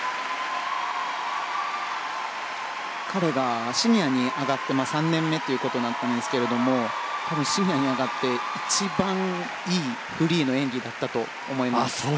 彼がシニアに上がって３年目ということなんですけどシニアに上がって一番いいフリーの演技だったと思います。